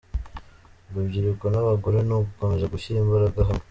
Urubyiruko n’abagore ni ugukomeza gushyira imbaraga hamwe.